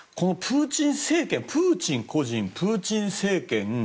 プーチン政権、プーチン個人プーチン政権